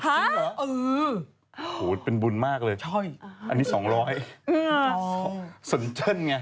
ซื้อเหรอโอ้โฮเป็นบุญมากเลยอันนี้๒๐๐บาทสนเจ้นไง